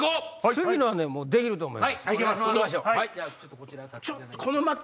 次のはできると思います。